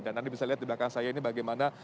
dan nanti bisa lihat di belakang saya ini bagaimana